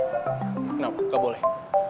kenapa gak boleh